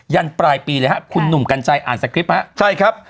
ยันปลายปีเลยฮะคุณหนุ่มกันใช่ไหมอ่านเสร็จคลิปฮะใช่ครับ